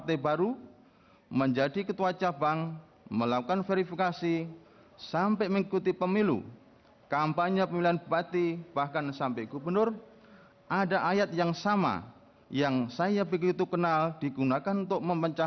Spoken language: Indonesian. terdakwa selaku gubernur dki jakarta